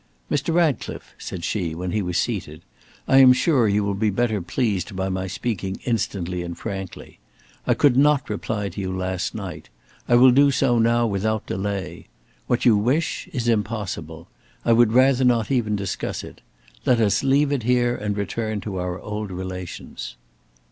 "Mr. Ratcliffe," said she, when he was seated "I am sure you will be better pleased by my speaking instantly and frankly. I could not reply to you last night. I will do so now without delay. What you wish is impossible. I would rather not even discuss it. Let us leave it here and return to our old relations."